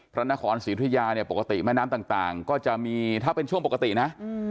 พระนครศรีธุยาเนี่ยปกติแม่น้ำต่างก็จะมีถ้าเป็นช่วงปกตินะ